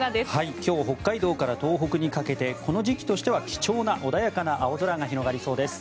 今日北海道から東北にかけてこの時期としては貴重な穏やかな青空が広がりそうです。